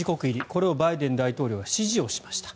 これをバイデン大統領が支持をしました。